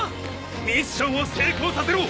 ミッションを成功させろ！